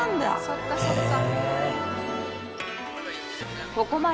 そっかそっか。